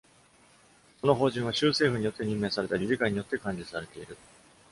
その法人は、州政府によって任命された理事会によって管理されている。